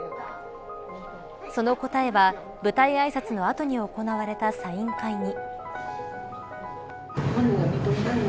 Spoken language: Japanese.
その答えは舞台あいさつの後に行われたサイン会に。